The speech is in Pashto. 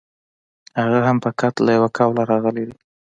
هغه هم فقط له یوه قوله راغلی دی.